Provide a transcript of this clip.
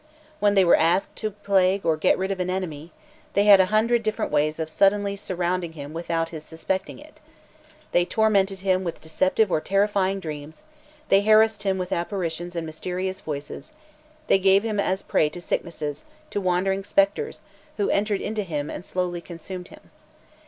When they were asked to plague or get rid of an enemy, they had a hundred different ways of suddenly surrounding him without his suspecting it: they tormented him with deceptive or terrifying dreams; they harassed him with apparitions and mysterious voices; they gave him as a prey to sicknesses, to wandering spectres, who entered into him and slowly consumed him.